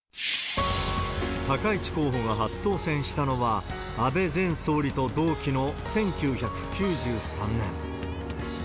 高市候補が初当選したのは、安倍前総理と同期の１９９３年。